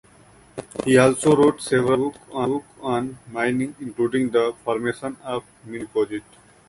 He also wrote several textbooks on mining including the "Formation of Mineral Deposits".